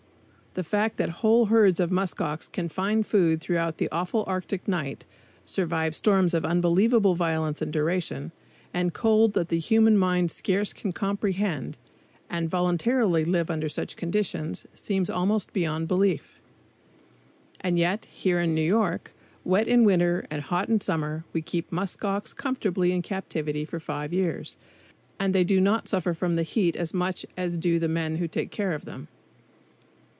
The fact that whole herds of musk ox can find food throughout the awful Arctic night, survive storms of unbelievable violence and duration, and cold that the human mind scarce can comprehend, and voluntarily live under such conditions, seems almost beyond belief. And yet here in New York, wet in winter and hot in summer, we keep musk ox comfortable in captivity for five years; and they do not suffer from the heat as much as do the men who take care of them.